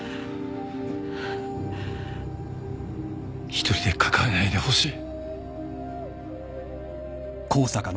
一人で抱えないでほしい。